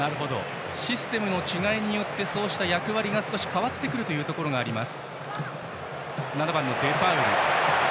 システムの違いによってそうして役割が変わってくるというところがあります。